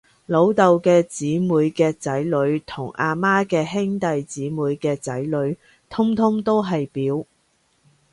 老豆嘅姐妹嘅仔女，同阿媽嘅兄弟姐妹嘅仔女，通通都係表